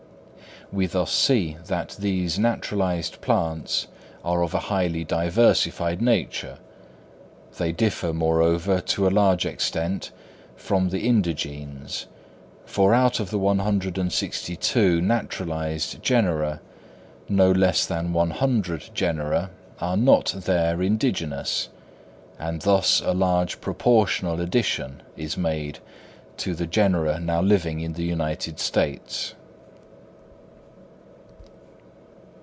We thus see that these naturalised plants are of a highly diversified nature. They differ, moreover, to a large extent, from the indigenes, for out of the 162 naturalised genera, no less than 100 genera are not there indigenous, and thus a large proportional addition is made to the genera now living in the United States.